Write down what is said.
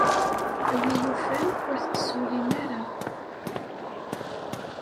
A win yufan, ur tettsullim ara.